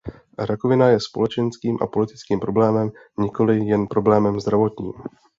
Rakovina je společenským a politickým problémem, nikoli jen problémem zdravotním.